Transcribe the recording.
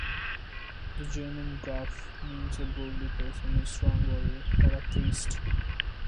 The German "Goff" means a godly person, a strong warrior, or a priest.